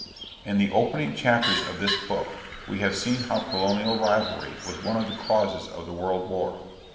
_ In the opening chapters of this book we have seen how colonial rivalry was one of the causes of the World War.